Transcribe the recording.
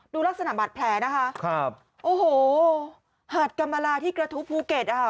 ดูลักษณะบาดแผลนะคะครับโอ้โหหาดกรรมลาที่กระทู้ภูเก็ตอะค่ะ